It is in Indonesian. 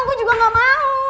gua juga ga mau